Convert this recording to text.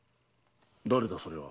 誰だそれは？